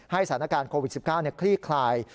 สถานการณ์โควิด๑๙คลี่คลาย